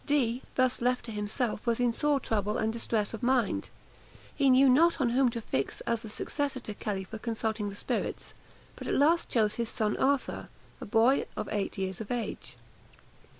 Dee, thus left to himself, was in sore trouble and distress of mind. He knew not on whom to fix as the successor to Kelly for consulting the spirits; but at last chose his son Arthur, a boy of eight years of age.